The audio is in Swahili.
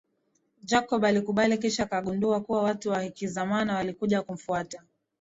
Jacob alikubali kisha akagundua kuwa watu wa Hakizemana walikuja kumfuata